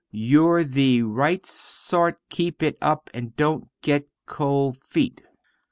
You're the right sort keep it up and don't get cold feet.